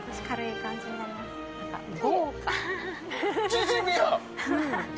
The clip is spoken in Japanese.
チヂミや！